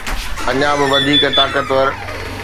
اڃا به وڌيڪ طاقتور